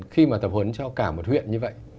khi mà tập huấn cho cả một huyện như vậy